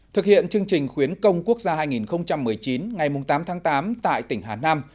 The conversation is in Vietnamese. thực hiện chương trình khuyến công quốc gia hai nghìn một mươi chín ngày tám tháng tám tại tỉnh hà nam